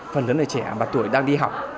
phần lớn là trẻ và tuổi đang đi học